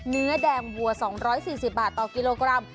เนื้อแดงวัว๒๔๐บาทต่อกิโลกรัม